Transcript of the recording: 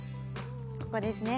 ここですね。